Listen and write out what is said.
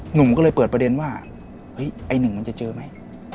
หนุ่มก็เลยเปิดประเด็นว่าเฮ้ยไอ้หนึ่งมันจะเจอไหม